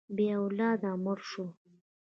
بې اولاده مړه شوه.